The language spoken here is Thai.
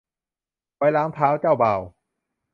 ไว้ล้างเท้าเจ้าบ่าว